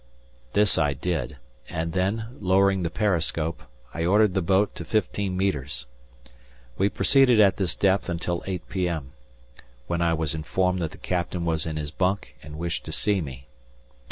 This I did, and then, lowering the periscope, I ordered the boat to fifteen metres. We proceeded at this depth until 8 p.m., when I was informed that the Captain was in his bunk and wished to see me.